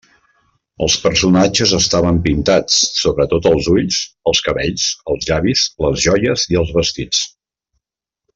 Els personatges estaven pintats, sobretot els ulls, els cabells, els llavis, les joies i vestits.